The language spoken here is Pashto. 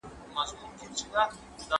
هغه خپل پلان په دقت تعقیبوي.